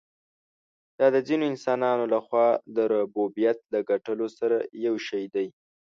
دا د ځینو انسانانو له خوا د ربوبیت له ګټلو سره یو شی دی.